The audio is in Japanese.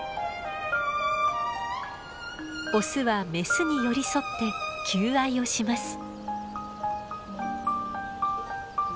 オスはメスに寄り添って求愛をします。